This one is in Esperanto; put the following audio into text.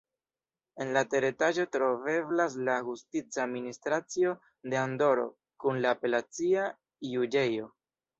En la teretaĝo troveblas la justica administracio de Andoro kun la apelacia juĝejo.